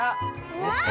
うわ！